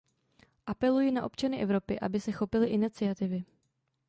Apeluji na občany Evropy, aby se chopili iniciativy.